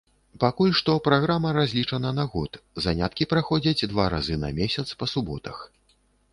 Пакуль што праграма разлічана на год, заняткі праходзяць два разы на месяц па суботах.